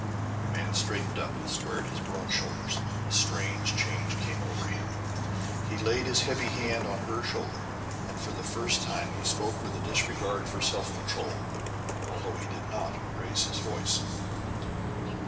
The man straightened up and squared his broad shoulders. A strange change came over him. He laid his heavy hand on her shoulder, and, for the first time, he spoke with a disregard for self control, although he did not raise his voice.